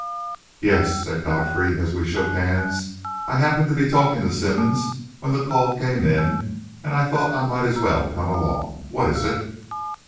"Yes," said Godfrey, as we shook hands, "I happened to be talking to Simmonds when the call came in, and I thought I might as well come along. What is it?"